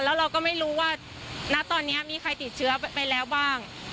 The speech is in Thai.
แล้วเราก็ไม่รู้ว่าณตอนนี้มีใครติดเชื้อไปแล้วบ้าง